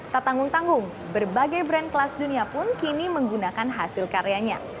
tak tanggung tanggung berbagai brand kelas dunia pun kini menggunakan hasil karyanya